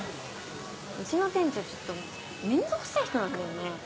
うちの店長ちょっと面倒くさい人なんだよね。